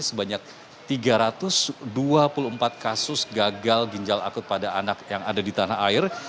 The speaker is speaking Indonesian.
sebanyak tiga ratus dua puluh empat kasus gagal ginjal akut pada anak yang ada di tanah air